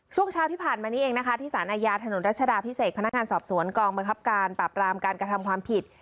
ช่วงเช้าที่ผ่านมานี้เองนะคะที่สารอาญาถนนรัชดาพิเศษพนักงานสอบสวนกองบังคับการปราบรามการกระทำความผิด